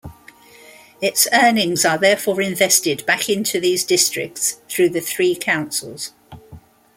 Its earnings are therefore invested back into these districts through the three councils.